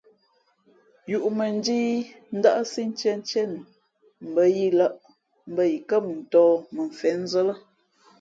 Yūʼmᾱnjíí ndάʼsí ntíéntíé nu mbα yǐ lᾱ mbα yi kά mʉntōh mα mfěnzᾱ lά.